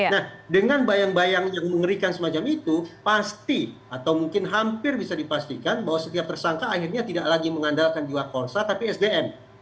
nah dengan bayang bayang yang mengerikan semacam itu pasti atau mungkin hampir bisa dipastikan bahwa setiap tersangka akhirnya tidak lagi mengandalkan jiwa korsa tapi sdm